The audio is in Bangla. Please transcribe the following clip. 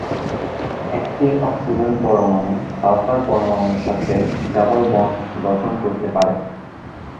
একটি অক্সিজেন পরমাণু সালফার পরমাণুর সাথে ডাবল বন্ড গঠন করতে পারে।